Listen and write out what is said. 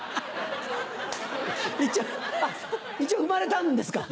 あっ一応生まれたんですか？